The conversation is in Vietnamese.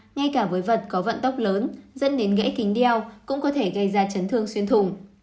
ngay cả với vật có vận tốc lớn dẫn đến gãy kính đeo cũng có thể gây ra chấn thương xuyên thùng